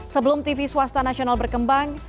sebelum tv swasta nasional berkembang